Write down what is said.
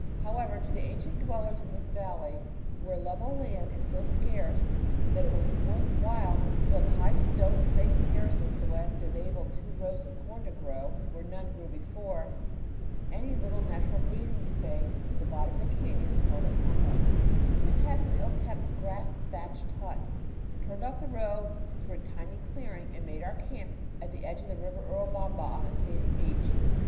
However, to the ancient dwellers in this valley, where level land was so scarce that it was worth while to build high stone faced terraces so as to enable two rows of corn to grow where none grew before, any little natural breathing space in the bottom of the canyon is called a pampa. FIGURE The Road Between Maquina and Mandor Pampa Near Machu Picchu We passed an ill kept, grass thatched hut, turned off the road through a tiny clearing, and made our camp at the edge of the river Urubamba on a sandy beach.